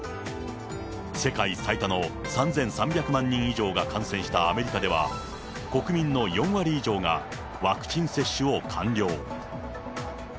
世界最多の３３００万人以上が感染したアメリカでは、国民の４割以上がワクチン接種を完了。